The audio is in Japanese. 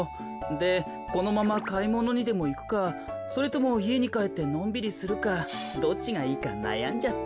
でこのままかいものにでもいくかそれともいえにかえってのんびりするかどっちがいいかなやんじゃって。